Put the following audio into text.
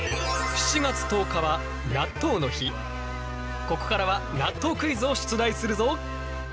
ここからは納豆クイズを出題するぞ！